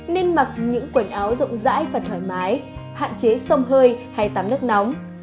nên mặc những quần áo rộng rãi và thoải mái hạn chế sông hơi hay tắm nước nóng